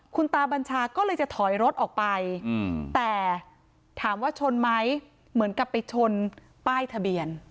คุณตาบัญชาก็เลยจะถอยรถออกไปแต่ถามว่าชนไหมเหมือนกับไปชนป้ายทะเบียน